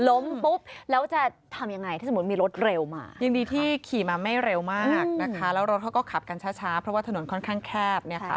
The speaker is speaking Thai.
โอ้โฮโอ้โฮโอ้โฮโอ้โฮโอ้โฮโอ้โฮโอ้โฮโอ้โฮ